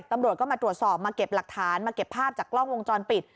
ตำรวจก็มาตรวจสอบมาเก็บหลักฐานมาเก็บภาพจากกล้องวงจรปิด